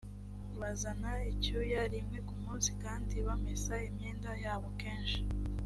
bazana icyuya rimwe ku munsi kandi bamesa imyenda yabo kenshi.